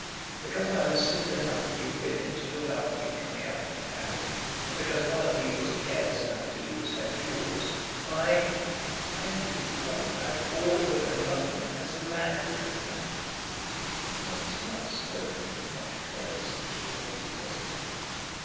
Because I was civil enough to you women to look after you coming up to town, and because one of you was careless enough to lose her jewels, I I am to be talked about all over London as the man who took them!" This was not spoken with much courtesy to the ladies present.